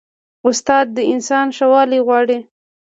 استاد د انسان ښه والی غواړي.